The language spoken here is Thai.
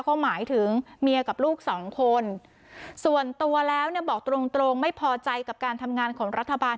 เขาหมายถึงเมียกับลูกสองคนส่วนตัวแล้วเนี่ยบอกตรงตรงไม่พอใจกับการทำงานของรัฐบาล